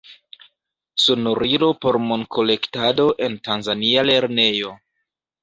Sonorilo por monkolektado en tanzania lernejo.